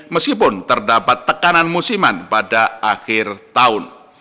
meskipun terdapat tekanan musiman pada akhir tahun